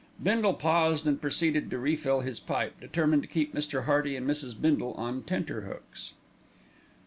Bindle paused and proceeded to refill his pipe, determined to keep Mr. Hearty and Mrs. Bindle on tenter hooks.